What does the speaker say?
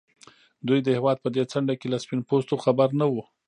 دوی د هېواد په دې څنډه کې له سپين پوستو خبر نه وو.